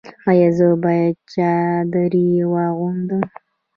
ایا زه باید چادري واغوندم؟